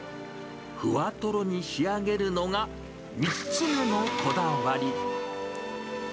ふわとろに仕上げるのが３つ目のこだわり。